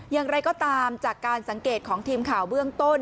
อย่างไรก็ตามจากการสังเกตของทีมข่าวเบื้องต้น